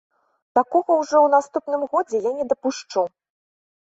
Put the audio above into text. Такога ўжо ў наступным годзе я не дапушчу.